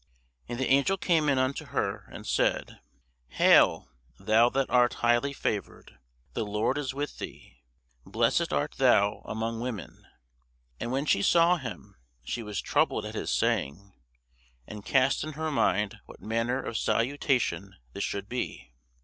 And the angel came in unto her, and said, Hail, thou that art highly favoured, the Lord is with thee: blessed art thou among women. And when she saw him, she was troubled at his saying, and cast in her mind what manner of salutation this should be.